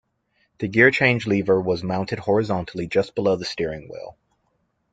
The gear change lever was mounted horizontally just below the steering wheel.